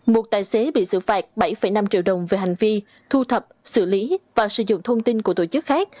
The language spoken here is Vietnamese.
một tài xế bị xử phạt bảy năm triệu đồng về hành vi thu thập xử lý và sử dụng thông tin của tổ chức khác